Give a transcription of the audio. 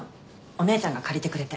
お姉ちゃんが借りてくれて。